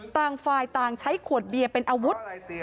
ต่างฝ่ายต่างใช้ขวดเบียร์เป็นอาวุธ